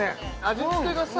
味つけがさ